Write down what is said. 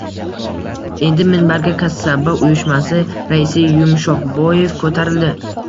Endi minbarga kasaba uyushmasi raisi Yumshoqboev ko`tarildi